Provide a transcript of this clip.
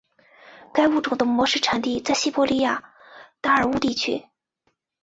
该物种的模式产地在西伯利亚达乌尔地区。